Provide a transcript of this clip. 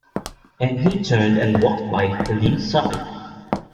And he turned and walked by Helene's side.